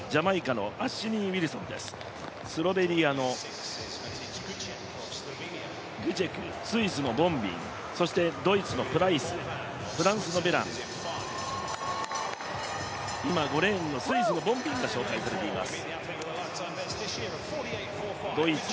中国の謝智宇、スロベニアのグチェク、スイスのボンビン、そしてドイツのプライス、フランスのベラン、今５レーンのスイスのボンビンが紹介されています。